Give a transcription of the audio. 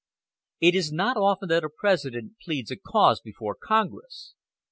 It is not often that a President pleads a cause before Congress.